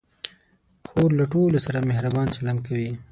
خور له ټولو سره مهربان چلند کوي.